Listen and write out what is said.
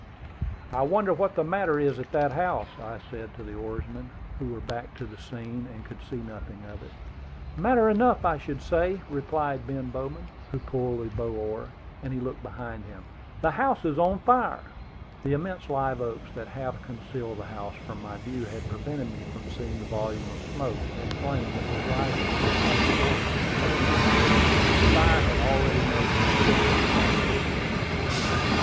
"I wonder what the matter is at that house," I said to the oarsmen, who were back to the scene, and could see nothing of it. "Matter enough, I should say," replied Ben Bowman, who pulled the bow oar, as he looked behind him. "The house is on fire!" The immense live oaks that half concealed the house from my view had prevented me from seeing the volume of smoke and flame that was rising from one corner of the mansion. The fire had already made considerable progress.